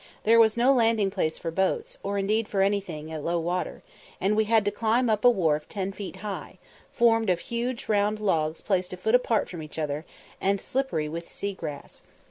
There was no landing place for boats, or indeed for anything, at low water, and we had to climb up a wharf ten feet high, formed of huge round logs placed a foot apart from each other, and slippery with sea grass.